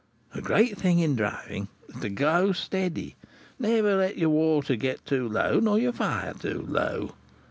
The great thing in driving, is, to go steady, never to let your water get too low, nor your fire too low.